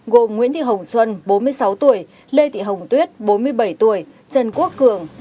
gồm nguyễn thị hồng xuân bốn mươi sáu tuổi lê thị hồng tuyết bốn mươi bảy tuổi trần quốc cường